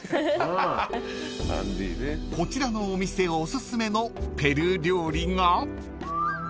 ［こちらのお店おすすめのペルー料理が］